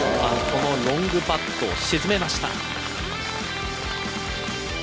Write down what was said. このロングパットを沈めました。